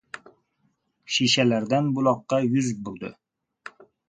Shishalardan buloqqa yuz burdi.